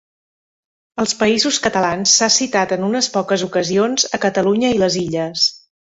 Als Països Catalans s'ha citat en unes poques ocasions, a Catalunya i les Illes.